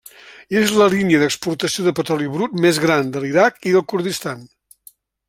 És la línia d'exportació de petroli brut més gran de l'Iraq i del Kurdistan.